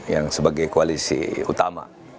yang sebagai koalisi utama